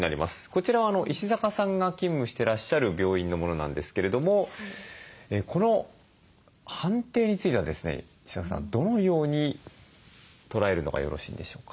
こちらは石坂さんが勤務してらっしゃる病院のものなんですけれどもこの判定についてはですね石坂さんどのように捉えるのがよろしいんでしょうか？